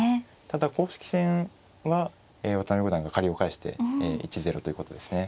ただ公式戦は渡辺五段が借りを返して１−０ということですね。